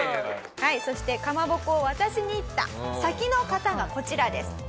はいそしてかまぼこを渡しに行った先の方がこちらです。